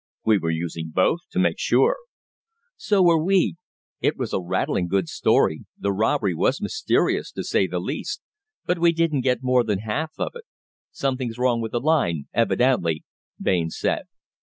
"We were using both to make sure." "So were we. It was a rattling good story the robbery was mysterious, to say the least but we didn't get more than half of it. Something's wrong with the line, evidently," Baines said.